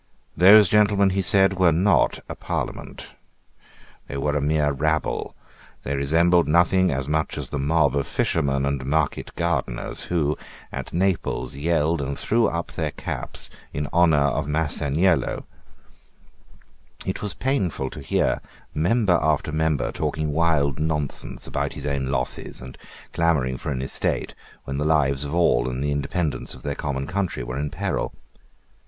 Those gentlemen, he said, were not a Parliament: they were a mere rabble: they resembled nothing so much as the mob of fishermen and market gardeners, who, at Naples, yelled and threw up their caps in honour of Massaniello. It was painful to hear member after member talking wild nonsense about his own losses, and clamouring for an estate, when the lives of all and the independence of their common country were in peril.